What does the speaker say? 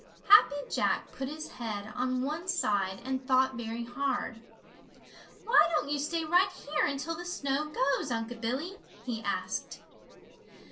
Happy Jack put his head on one side and thought very hard. "Why don't you stay right here until the snow goes, Unc' Billy?" he asked.